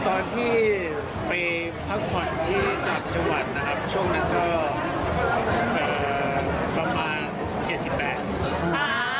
ตอนที่ไปพักควันที่จอดจังหวัดนะครับช่วงนั้นก็ประมาณ๗๘๗๙